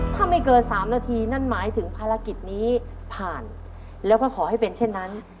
ถ้าไม่เกิน๓นาทีนั่นหมายถึงภารกิจนี้ผ่านแล้วก็ขอให้เป็นเช่นนั้น